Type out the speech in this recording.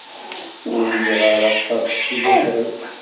Ur riɣ ara aṭas tiliẓri.